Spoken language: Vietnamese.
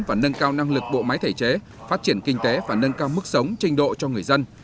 và nâng cao năng lực bộ máy thể chế phát triển kinh tế và nâng cao mức sống trình độ cho người dân